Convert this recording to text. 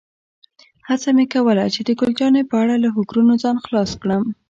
هڅه مې کوله چې د ګل جانې په اړه له فکرونو ځان خلاص کړم.